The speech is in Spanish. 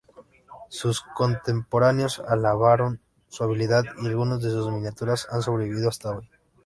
Sus contemporáneos alabaron su habilidad, y algunas de sus miniaturas han sobrevivido hasta hoy.